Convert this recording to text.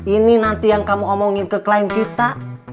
ini nanti yang kamu omongin ke klien kita